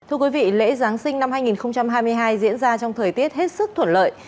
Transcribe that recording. thưa quý vị lễ giáng sinh năm hai nghìn hai mươi hai diễn ra trong thời tiết hết sức thuận lợi